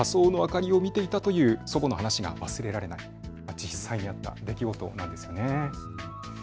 実際にあった出来事なんですよね。